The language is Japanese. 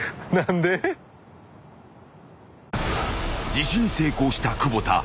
［自首に成功した久保田］